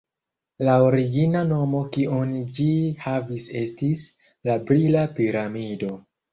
La origina nomo kiun ĝi havis estis: «La brila piramido».